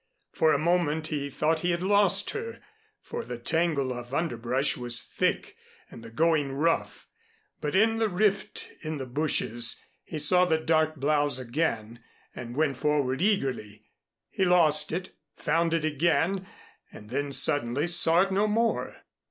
For a moment he thought he had lost her, for the tangle of underbrush was thick and the going rough, but in a rift in the bushes he saw the dark blouse again and went forward eagerly. He lost it, found it again and then suddenly saw it no more.